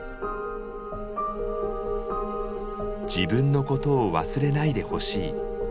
「自分のことを忘れないでほしい」。